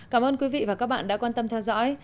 cảm ơn quý vị và các bạn đã quan tâm theo dõi